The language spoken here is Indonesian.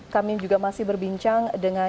kami juga masih berbincang dengan